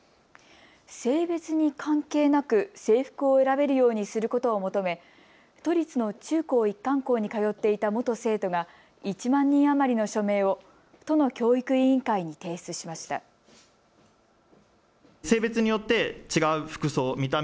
性別に関係なく制服を選べるようにすることを求め都立の中高一貫校に通っていた元生徒が１万人余りの署名を都の教育委員会に提出しました。